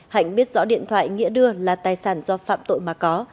hạnh biết rõ điện thoại nghĩa đưa là tài sản do phạm tội mà có